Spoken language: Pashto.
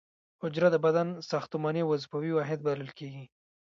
حجره د بدن ساختماني او وظیفوي واحد بلل کیږي